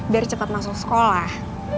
biar cepet masuk sekolah